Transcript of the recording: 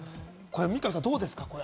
三上さん、どうですか？